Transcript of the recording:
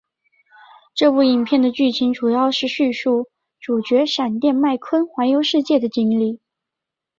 这部影片的剧情主要是叙述主角闪电麦坤环游世界的经历。